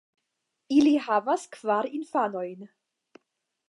Ili havas kvar infanojn.